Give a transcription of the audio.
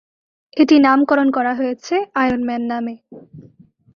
এটি নামকরণ করা হয়েছে 'আয়রন ম্যান' নামে।